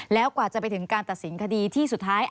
แล้วกว่าจะไปถึงการตัดสินคดีที่สุดท้าย